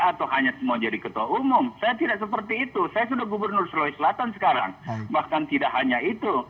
atau hanya semua jadi ketua umum saya tidak seperti itu saya sudah gubernur sulawesi selatan sekarang bahkan tidak hanya itu